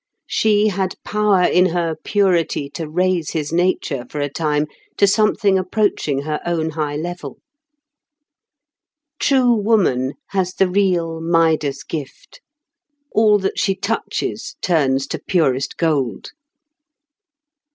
She had power in her purity to raise his nature for a time to something approaching her own high level. True woman has the real Midas gift: all that she touches turns to purest gold.